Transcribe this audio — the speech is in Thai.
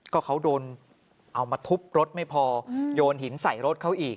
ก็เขาโดนเอามาทุบรถไม่พอโยนหินใส่รถเขาอีก